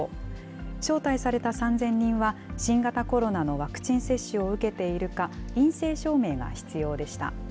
招待された３０００人は、新型コロナのワクチン接種を受けているか、陰性証明が必要でした。